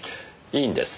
いいんです。